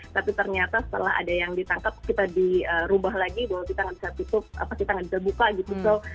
tapi ternyata setelah ada yang ditangkap kita dirubah lagi bahwa kita tidak bisa buka gitu